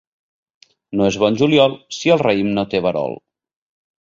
No és bon juliol, si el raïm no té verol.